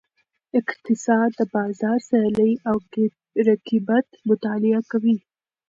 اقتصاد د بازار سیالۍ او رقیبت مطالعه کوي.